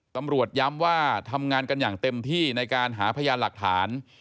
ตำรวจย้ำว่าทำงานกันอย่างเต็มที่ในการหาพยานหลักฐาน